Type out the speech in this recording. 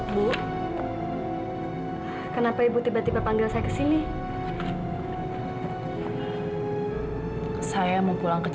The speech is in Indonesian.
yang tidak sah sudah lengkap